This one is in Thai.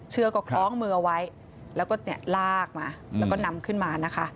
เชือกก็คล้องมือเอาไว้แล้วก็ลากมาแล้วก็นำขึ้นมานะคะ